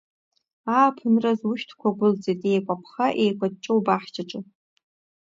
Ааԥынразы ушәҭқәа гәылҵит, еикәаԥха-еикәаҷҷо убаҳчаҿы.